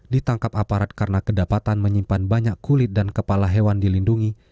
ditangkap aparat karena kedapatan menyimpan banyak kulit dan kepala hewan dilindungi